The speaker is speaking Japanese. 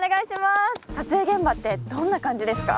撮影現場ってどんな感じですか？